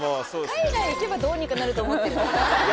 海外行けばどうにかなると思ってるのかな。